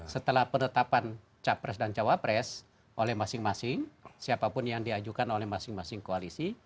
setelah penetapan capres dan cawapres oleh masing masing siapapun yang diajukan oleh masing masing koalisi